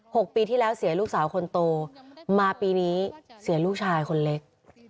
หกปีที่แล้วเสียลูกสาวคนโตมาปีนี้เสียลูกชายคนเล็ก